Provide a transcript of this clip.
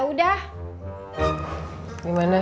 tukang urutnya terus